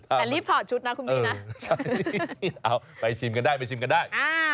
แต่รีบถอดชุดนะคุณพี่นะเอาไปชิมกันได้ไปชิมกันได้